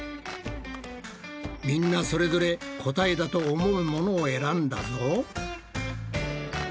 みんなそれぞれ答えだと思うものを選んだぞ。